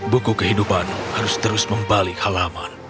buku kehidupan harus terus membalik halaman